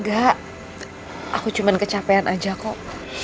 gak aku cuma kecapean aja kok